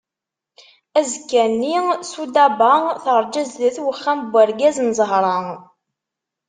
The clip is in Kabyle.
Azekka-nni sudaba terǧa sdat n uxxam n urgaz n Zahra.